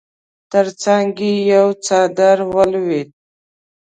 تر څنګ يې يو څادر ولوېد.